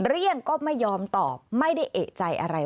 เรียกก็ไม่ยอมตอบไม่ได้เอกใจอะไร